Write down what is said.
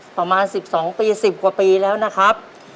ประมาณ๑๒ปี๑๐กว่าปีแล้วนะครับ